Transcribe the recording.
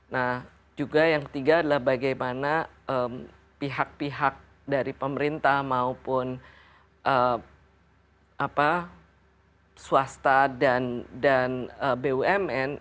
nah juga yang ketiga adalah bagaimana pihak pihak dari pemerintah maupun swasta dan bumn